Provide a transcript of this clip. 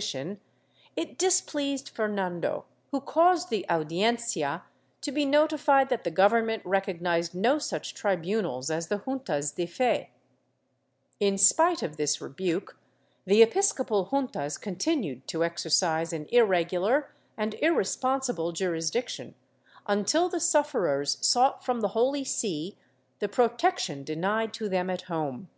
— Vicente de la Fuente, III, 482. 462 DECADENCE AND EXTINCTION [Book IX displeased Fernando, who caused the Audiencia to be notified that the Government recognized no such tribunals as the juntas de fe.^ In spite of this rebuke, the episcopal juntas continued to exercise an irregular and irresponsible jurisdiction, until the sufferers sought from the Holy See the protection denied to them at home.